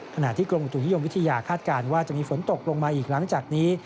ขณะที่กรมอุตุนิยมวิทยาคาดการณ์ว่าจะมีฝนตกลงมาอีกหลังจากนี้